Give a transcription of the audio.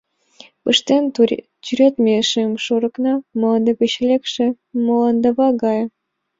Пыштен тӱредме шем шорыкна — мланде гыч лекше Мландава гае.